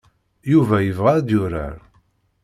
Yuba ibɣa ad yurar.